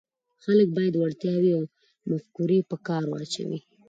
خلک باید وړتیاوې او مفکورې په کار واچوي.